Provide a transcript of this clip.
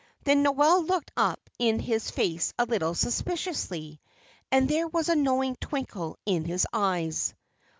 Then Noel looked up in his face a little suspiciously, and there was a knowing twinkle in his eyes.